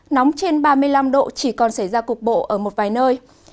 nóng trên ba mươi năm độ chỉ còn xảy ra cục bộ ở một vài nơi